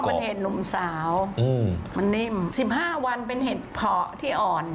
เป็นเห็ดนมสาวมันนิ่ม๑๕วันเป็นเห็ดเพาะที่อ่อน